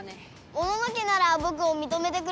モノノ家ならぼくをみとめてくれる？